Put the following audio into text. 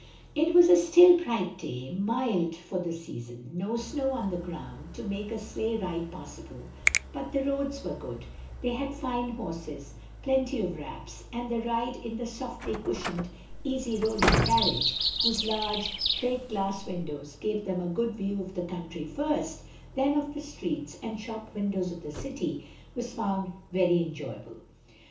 It was a still, bright day, mild for the season, no snow on the ground to make a sleigh ride possible, but the roads were good, they had fine horses, plenty of wraps, and the ride in the softly cushioned, easy rolling carriage, whose large plate glass windows gave them a good view of the country first, then of the streets and shop windows of the city, was found very enjoyable.